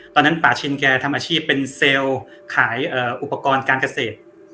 ป่าชินแกทำอาชีพเป็นเซลล์ขายอุปกรณ์การเกษตร